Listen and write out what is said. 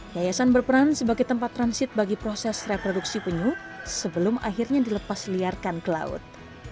yayasan berperan sebagai tempat transit bagi proses reproduksi penyu sebelum akhirnya dilepas liarkan ke laut